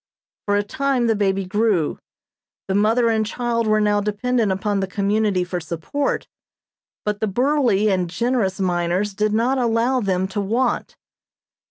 For a time the baby grew. The mother and child were now dependent upon the community for support, but the burly and generous miners did not allow them to want.